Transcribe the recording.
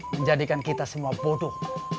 menjadikan kita semua bodoh